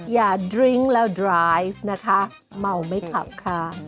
ดริ้งแล้วดร้ายนะคะเมาไม่ขับค่ะ